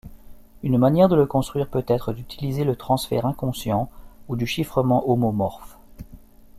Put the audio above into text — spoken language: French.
Une manière de le construire peut-être d'utiliser le transferts inconscient ou du chiffrement homomorphe.